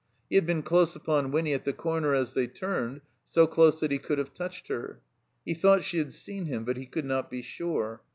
He had been close upon Winny at the comer as they turned, so close that he could have touched her. He thought she had seen him, but he could not be sure.